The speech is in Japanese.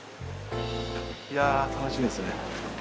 いや楽しみですね。